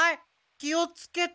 気をつけて。